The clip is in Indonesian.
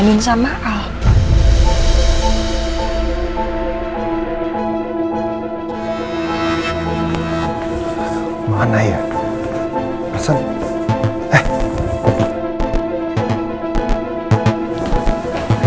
kenapa mereka jatrying aja